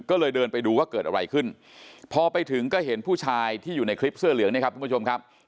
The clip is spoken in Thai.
ก็เลยเดินไปดูว่าเกิดอะไรขึ้นพอไปถึงก็เห็นผู้ชายที่อยู่ในคลิปเสื้อเหลืองเนี่ยครับทุกผู้ชมครับ